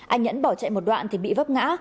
anh nhẫn bỏ chạy một đoạn thì bị vấp ngã